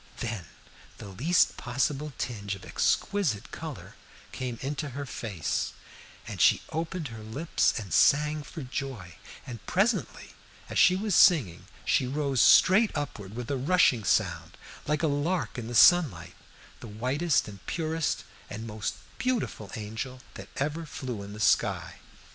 Then the least possible tinge of exquisite color came into her face, and she opened her lips and sang for joy; and presently, as she was singing, she rose straight upward with a rushing sound, like a lark in the sunlight, the whitest and purest and most beautiful angel that ever flew in the sky.